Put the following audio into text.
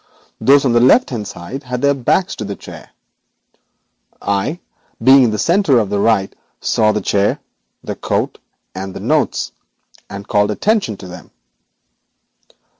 Those on the left hand side had their backs to the chair. I, being on the centre to the right, saw the chair, the coat, and the notes, and called attention to them.